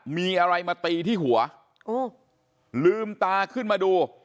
มีอะไรมาตีที่หัวลืมตาขึ้นมาดู